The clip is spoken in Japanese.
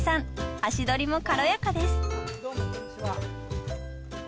足取りも軽やかです